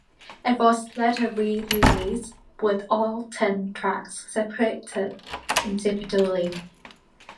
It was later re-released with all ten tracks separated individually.